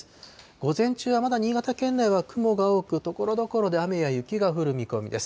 午前中はまだ新潟県内は雲が多く、ところどころで雨や雪が降る見込みです。